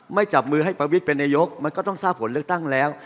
จับมือให้ประวิทย์เป็นนายกมันก็ต้องทราบผลเลือกตั้งแล้ว